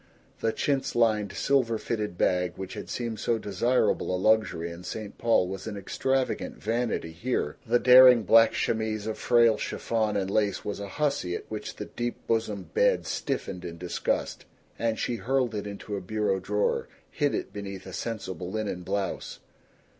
The chintz lined, silver fitted bag which had seemed so desirable a luxury in St. Paul was an extravagant vanity here. The daring black chemise of frail chiffon and lace was a hussy at which the deep bosomed bed stiffened in disgust, and she hurled it into a bureau drawer, hid it beneath a sensible linen blouse.